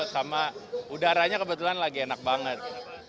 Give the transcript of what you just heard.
sama udaranya kebetulan lagi enak banget